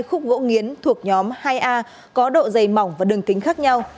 có chín mươi hai khúc vỗ nghiến thuộc nhóm hai a có độ dày mỏng và đường kính khác nhau